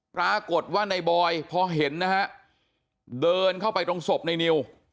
ปรากฏว่าในบอยพอเห็นนะฮะเดินเข้าไปตรงศพในนิว